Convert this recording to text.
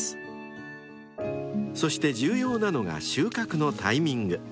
［そして重要なのが収穫のタイミング］